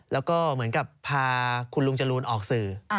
แล้วก็เหมือนกับพาคุณลุงจรูนออกสื่อ